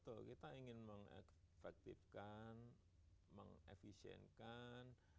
kita ingin mengefektifkan mengefisienkan